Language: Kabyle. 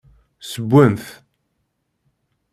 Ssewwen-t.